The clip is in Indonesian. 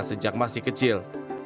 sejak masih kecil